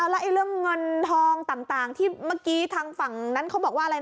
แล้วเรื่องเงินทองต่างที่เมื่อกี้ทางฝั่งนั้นเขาบอกว่าอะไรนะ